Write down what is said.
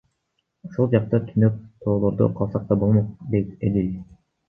Ошол жакта түнөп, тоолордо калсак да болмок, — дейт Эдил.